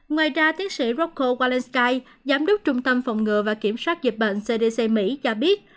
ngoài ra tiến sĩ roko waleskai giám đốc trung tâm phòng ngừa và kiểm soát dịch bệnh cdc mỹ cho biết